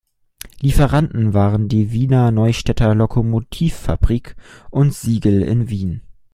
Lieferanten waren die Wiener Neustädter Lokomotivfabrik und Sigl in Wien.